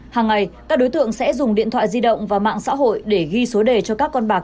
hàng ngày các đối tượng sẽ dùng điện thoại di động và mạng xã hội để ghi số đề cho các con bạc